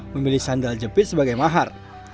memilih sandal jepit sebagai mahar